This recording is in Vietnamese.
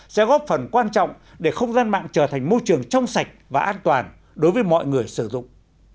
sẽ góp phần quan trọng để không gian mạng trở thành môi trường trong sạch và an toàn đối với mọi người sử dụng